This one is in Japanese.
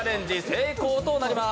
成功となります。